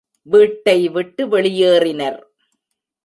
வீட்டை விட்டு வெளியேறினர்.